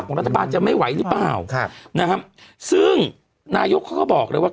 รัฐบาลจะไม่ไหวหรือเปล่าครับนะฮะซึ่งนายกเขาก็บอกเลยว่า